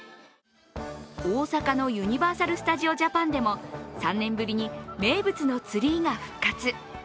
大阪のユニバーサル・スタジオ・ジャパンでも、３年ぶりに名物のツリーが復活。